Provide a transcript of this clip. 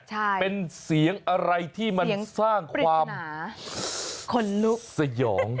ใช่เป็นเสียงอะไรที่มันสร้างความขนลุกสยอง